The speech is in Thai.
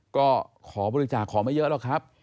ก็ขอบริจาคขอไม่เยอะหรอกครับ